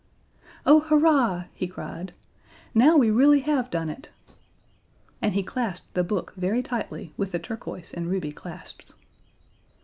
"Oh, hurrah!" he cried. "Now we really have done it." And he clasped the book very tightly with the turquoise and ruby clasps.